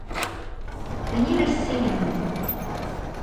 Они рассеяны.